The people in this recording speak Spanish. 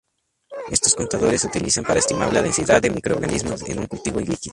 Estos contadores se utilizan para estimar la densidad de microorganismos en un cultivo líquido.